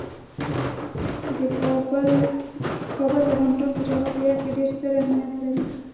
کابل د افغانستان په جغرافیه کې ډیر ستر اهمیت لري.